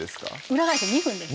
裏返して２分です